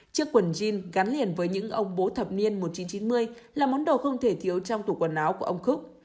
chiếc quần jean gắn liền với những ông bố thập niên một nghìn chín trăm chín mươi là món đồ không thể thiếu trong tủ quần áo của ông khúc